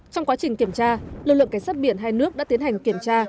trong quá trình kiểm tra lực lượng cảnh sát biển hai nước đã tiến hành kiểm tra